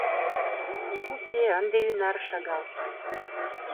Уке, ынде ӱнар шагал.